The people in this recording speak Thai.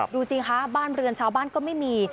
ดูสิคะบ้านเรือนชาวบ้านก็ไม่มี